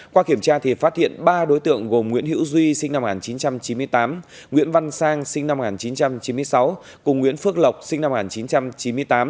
qua kiểm tra thì phát hiện ba đối tượng gồm nguyễn hữu duy sinh năm một nghìn chín trăm chín mươi tám nguyễn văn sang sinh năm một nghìn chín trăm chín mươi sáu cùng nguyễn phước lộc sinh năm một nghìn chín trăm chín mươi tám